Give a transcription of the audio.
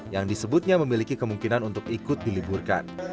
yang disebutnya memiliki kemungkinan untuk ikut diliburkan